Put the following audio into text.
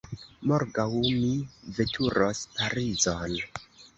Morgaŭ mi veturos Parizon.